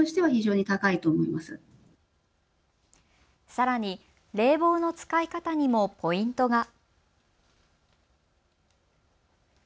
さらに冷房の使い方にもポイントが。